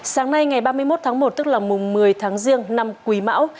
sáng nay ngày ba mươi một tháng một tức là mùng một mươi tháng riêng năm quý mão